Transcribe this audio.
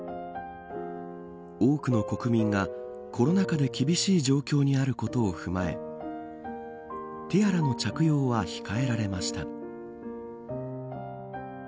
多くの国民がコロナ禍で厳しい状況にあることを踏まえティアラの着用は控えられました。